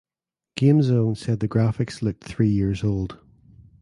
Gamezone said the graphics looked three years old.